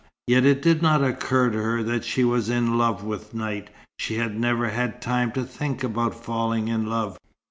Yet it did not occur to her that she was "in love" with Knight. She had never had time to think about falling in love.